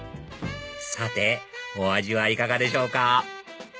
さてお味はいかがでしょうか？